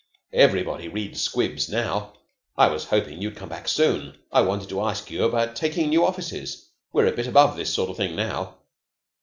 Everybody reads 'Squibs' now. I was hoping you would come back soon. I wanted to ask you about taking new offices. We're a bit above this sort of thing now."